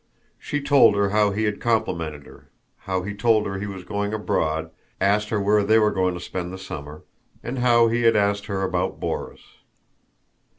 She told her how he had complimented her, how he told her he was going abroad, asked her where they were going to spend the summer, and then how he had asked her about Borís.